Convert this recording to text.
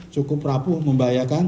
cukup rapuh membahayakan